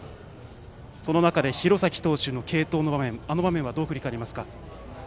その中で廣崎投手の継投の場面あの場面はどう振り返りますか？